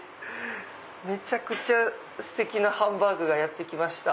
めちゃくちゃステキなハンバーグがやって来ました。